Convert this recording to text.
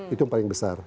itu yang paling besar